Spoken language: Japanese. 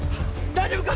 大丈夫か？